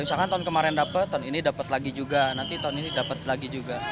misalkan tahun kemarin dapet tahun ini dapat lagi juga nanti tahun ini dapat lagi juga